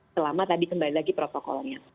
selama tadi kembali lagi protokolnya